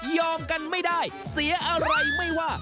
กันไม่ได้เสียอะไรไม่ว่า